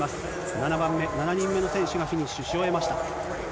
７番目、７人目の選手がフィニッシュし終えました。